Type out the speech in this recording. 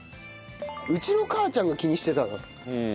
うちの母ちゃんが気にしてたな。